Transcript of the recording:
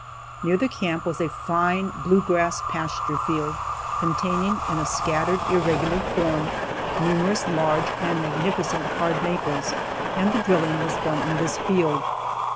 Near the camp was a fine blue grass pasture field, containing in a scattered, irregular form numerous large and magnificent hard maples, and the drilling was done in this field.